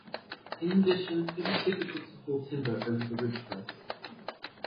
In addition, it was difficult to haul timber over the ridgecrest.